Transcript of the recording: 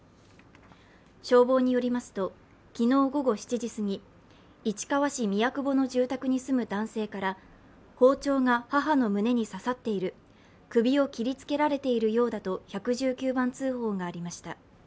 消防によりますと、昨日午後７時すぎ、市川市宮久保の住宅に住む男性から包丁が母の胸に刺さっている首を切りつけられているようだと１１９番通報がありました。